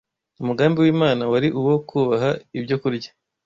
Umugambi w’Imana wari uwo kubaha ibyokurya